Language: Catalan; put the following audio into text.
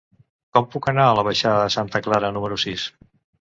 Com puc anar a la baixada de Santa Clara número sis?